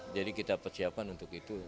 jadi kita persiapkan untuk itu